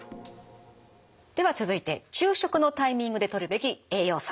では続いて昼食のタイミングでとるべき栄養素。